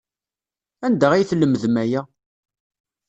Anda ay tlemdem aya?